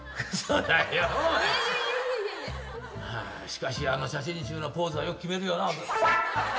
しかしあの写真集のポーズはよく決めるよな。